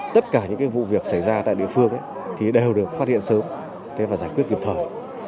tất cả những vụ việc xảy ra tại địa phương thì đều được phát hiện sớm và giải quyết kịp thời